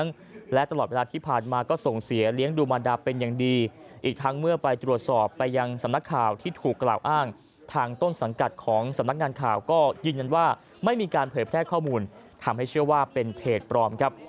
ยืนยันว่าไม่มีการเผยแพร่ข้อมูลทำให้เชื่อว่าเป็นเพจปลอมครับ